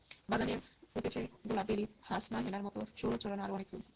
বাগানে ফুটেছে গোলাপ, বেলি, হাসনাহেনার মতো সৌরভ ছড়ানো আরও অনেক ফুল।